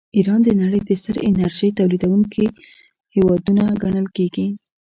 ایران د نړۍ د ستر انرژۍ تولیدونکي هېوادونه ګڼل کیږي.